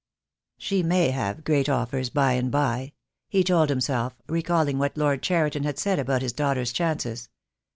"She may have great offers by and by," he told him self, recalling what Lord Cheriton had said about his daughter's chances.